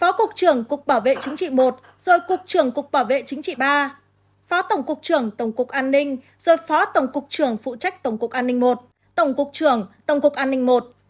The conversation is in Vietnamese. rồi cục trưởng cục bảo vệ chính trị iii phó tổng cục trưởng tổng cục an ninh rồi phó tổng cục trưởng phụ trách tổng cục an ninh i tổng cục trưởng tổng cục an ninh i